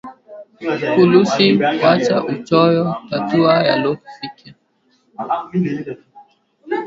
Fulusi wacha uchoyo, tatua yalonifika,